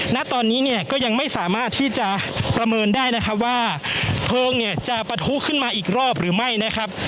ณตอนนี้เนี่ยก็ยังไม่สามารถที่จะประเมินได้นะครับว่าเพลิงเนี่ยจะปะทุขึ้นมาอีกรอบหรือไม่นะครับ